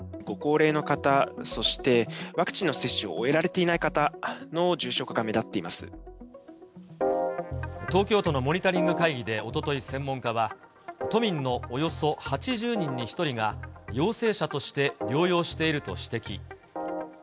ご高齢の方、そしてワクチンの接種を終えられていない方の重症化が目立ってい東京都のモニタリング会議でおととい専門家は、都民のおよそ８０人に１人が、陽性者として療養していると指摘。